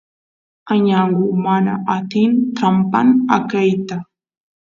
añangu mana atin trampaan ayqeyta